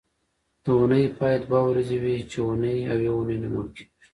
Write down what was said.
د اونۍ پای دوه ورځې وي چې اونۍ او یونۍ نومول کېږي